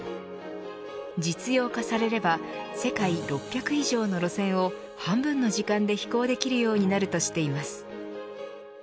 実用化されれば世界６００以上の路線を半分の時間で飛行できるようになるとしています。